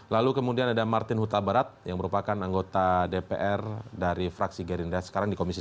lalu kemudian ada martin huta barat yang merupakan anggota dpr dari fraksi gerindra sekarang di komisi satu